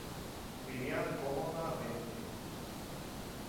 Vivían cómodamente.